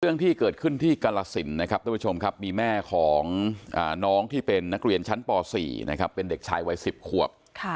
เรื่องที่เกิดขึ้นที่กรสินนะครับมีแม่ของน้องที่เป็นนักเรียนชั้นป๔เป็นเด็กชายวัย๑๐ควบ